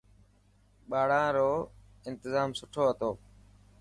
ٻاڙان رو انتظام سٺو هتو.